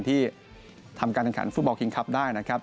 ที่ทำการแข่งขันฟุตบอลคิงคลับได้นะครับ